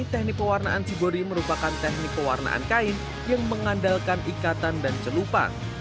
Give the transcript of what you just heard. teknik pewarnaan cibori merupakan teknik pewarnaan kain yang mengandalkan ikatan dan celupan